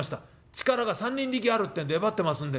力が３人力あるってんでえばってますんで」。